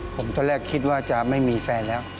ผมตอนแรกคิดว่าจะไม่มีแฟนแล้ว